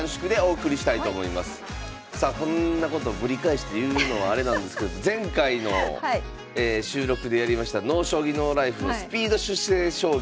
さあこんなことぶり返して言うのはあれなんですけど前回の収録でやりました「ＮＯ将棋ＮＯＬＩＦＥ」のスピード出世将棋。